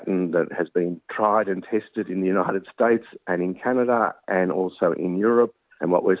kekuatan yang bergantung pada populasi migran saja